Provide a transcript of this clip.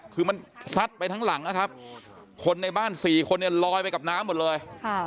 คือมันซัดไปทั้งหลังนะครับคนในบ้าน๔คนเนี่ยลอยไปกับน้ำหมดเลย